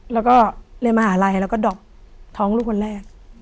แล้วก็เรียนมหาลัยแล้วก็ดอบท้องลูกคนแรก